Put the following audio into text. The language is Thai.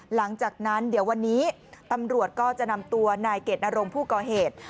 หลังจากนั้นเดี๋ยววันนี้ตำรวจก็จะนำตัวนายเกดนรงผู้ก่อเหตุ